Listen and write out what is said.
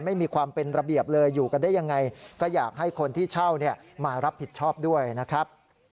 ไม่มีความเป็นระเบียบเลยอยู่กันได้ยังไงก็อยากให้คนที่เช่ามารับผิดชอบด้วยนะครับ